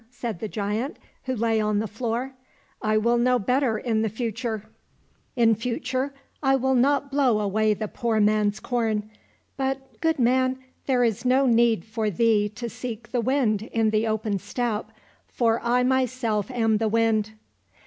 said the giant who lay on the floor. " I shall know better in future ; in future I will not blow away the poor man's corn. But, good man, there is no need for thee to seek the Wind in the open steppe, for I myself am the Wind."